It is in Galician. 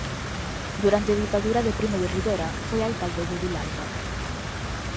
Durante a ditadura de Primo de Rivera foi alcalde de Vilalba.